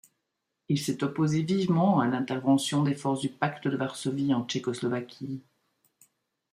Il s'est opposé vivement à l'intervention des forces du Pacte de Varsovie en Tchécoslovaquie.